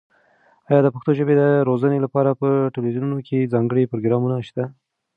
ایا د پښتو ژبې د روزنې لپاره په تلویزیونونو کې ځانګړي پروګرامونه شته؟